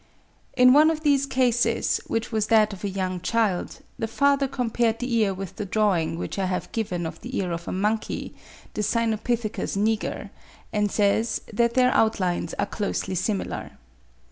In one of these cases, which was that of a young child, the father compared the ear with the drawing which I have given (34. 'The Expression of the Emotions,' p. 136.) of the ear of a monkey, the Cynopithecus niger, and says that their outlines are closely similar.